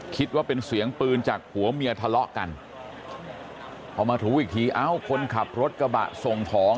คิดว่าเป็นเสียงปืนจากผัวเมียทะเลาะกันพอมาถูอีกทีเอ้าคนขับรถกระบะส่งของ